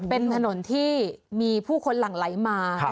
เป็นถนนที่มีผู้คนหลั่งไหลมา